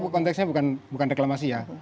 konteksnya bukan reklamasi ya